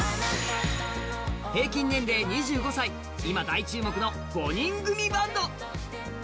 平均年齢２５歳、今、大注目の５人組バンド。